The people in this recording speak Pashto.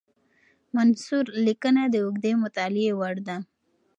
منثور لیکنه د اوږدې مطالعې وړ ده.